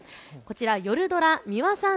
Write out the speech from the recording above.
夜ドラ、ミワさん